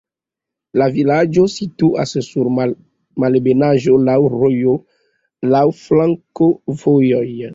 La vilaĝo situas sur malebenaĵo, laŭ rojo, laŭ flankovojoj.